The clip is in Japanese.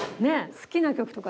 好きな曲とか。